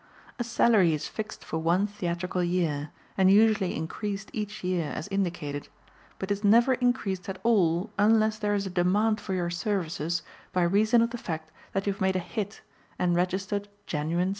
A salary is fixed for one theatrical year and usually increased each year as indicated, but is never increased at all unless there is a demand for your services by reason of the fact that you have made a "hit" and registered genuine success.